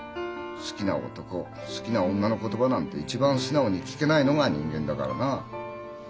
好きな男好きな女の言葉なんて一番素直に聞けないのが人間だからな。